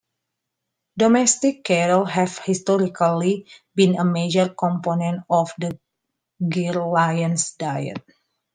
Domestic cattle have historically been a major component of the Gir lions' diet.